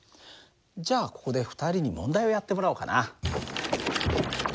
じゃあここで２人に問題をやってもらおうかな。